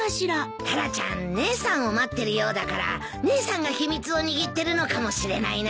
タラちゃん姉さんを待ってるようだから姉さんが秘密を握ってるのかもしれないな。